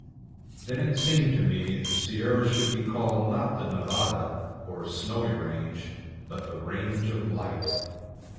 Then it seemed to me the Sierra should be called not the Nevada, or Snowy Range, but the Range of Light.